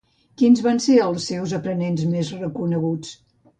Quins van ser els seus aprenents més reconeguts?